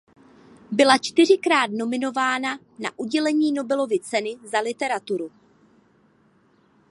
Byla čtyřikrát nominována na udělení Nobelovy ceny za literaturu.